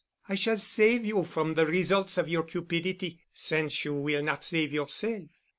I shall save you from the results of your cupidity—since you will not save yourself."